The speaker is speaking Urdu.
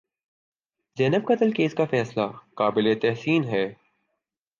زینب قتل کیس کا فیصلہ قابل تحسین ہے